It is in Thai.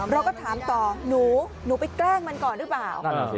เราก็ถามต่อหนูหนูไปแกล้งมันก่อนหรือเปล่า